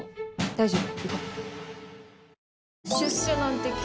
大丈夫。